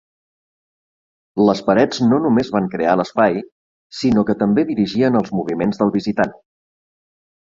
Les parets no només van crear l'espai, sinó que també dirigien els moviments del visitant.